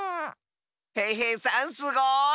へいへいさんすごい！